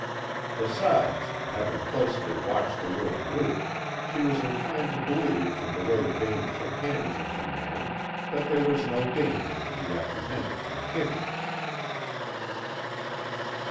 Besides, having closely watched the little group, she was inclined to believe from the way Vane shook hands with the man that there was no danger to be apprehended from Kitty.